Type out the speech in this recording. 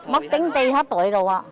mất tính ti hết tội rồi ạ